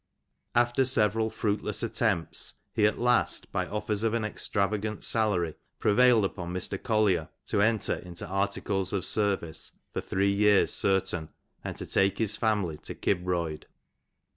After several fruitless attempts, he at last, by offers of an extravagant salary prevailed upon Mr. Collier to enter into articles of service for three years, certain, and to take his family to Kibroid.